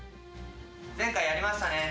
前回やりましたね。